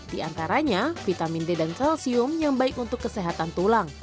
di antaranya vitamin d dan kalsium yang baik untuk kesehatan tulang